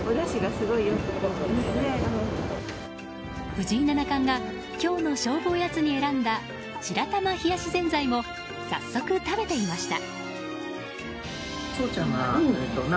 藤井七冠が今日の勝負おやつに選んだ白玉冷やしぜんざいも早速食べてみました。